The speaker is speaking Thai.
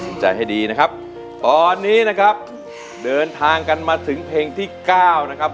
ใจให้ดีนะครับตอนนี้นะครับเดินทางกันมาถึงเพลงที่เก้านะครับ